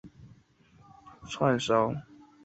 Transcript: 曾祖父吴仕敬。